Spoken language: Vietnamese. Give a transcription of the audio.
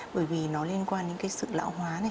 bởi vì nó liên quan đến cái sự lão hóa này